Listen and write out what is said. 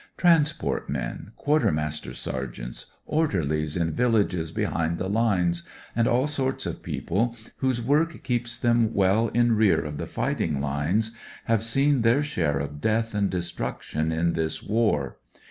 Transport men, 200 WHAT EVERY M.O. KNOWS 201 quartermaster sergeants, orderlies in vil lages behind the lines, and all sorts of people whose work keeps them well in rear of the fighting lines, have seen their share of death and destruction in this war.